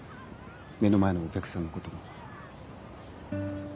目の前のお客さんのことも。